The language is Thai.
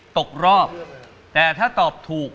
ตกรอบแต่ถ้าตอบถูก